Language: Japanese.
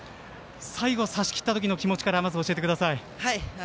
最後、差しきったときの気持ちからまず教えてください。